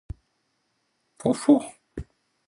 ｆｗｆ ぉ